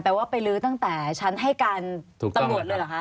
ว่าไปลื้อตั้งแต่ชั้นให้การตำรวจเลยเหรอคะ